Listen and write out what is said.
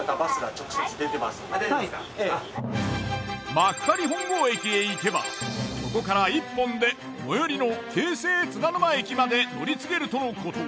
幕張本郷駅へ行けばそこから一本で最寄りの京成津田沼駅まで乗り継げるとのこと。